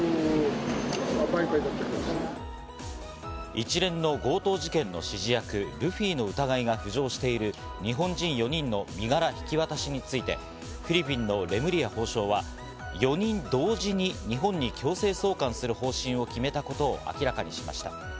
一連の強盗事件の指示役・ルフィの疑いが浮上している日本人４人の身柄引き渡しについて、フィリピンのレムリヤ法相は、４人同時に日本に強制送還する方針を決めたことを明らかにしました。